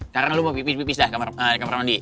karna lu mau pipis pipis di kamar mandi